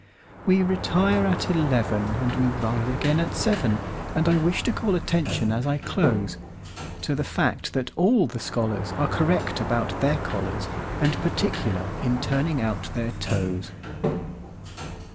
We retire at eleven, And we rise again at seven; And I wish to call attention, as I close, To the fact that all the scholarsAre correct about their collars, And particular in turning out their toes.